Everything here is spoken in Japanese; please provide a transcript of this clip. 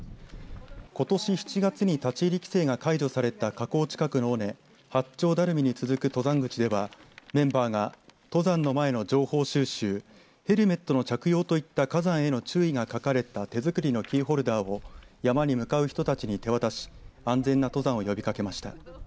ことし７月に立ち入り規制が解除された火口近くの尾根八丁ダルミに続く登山口ではメンバーが登山の前の情報収集ヘルメットの着用といった火山への注意が書かれた手作りのキーホルダーを山に向かう人たちに手渡し安全な登山を呼びかけました。